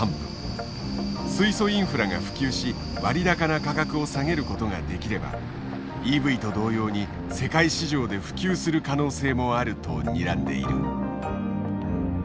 水素インフラが普及し割高な価格を下げることができればＥＶと同様に世界市場で普及する可能性もあるとにらんでいる。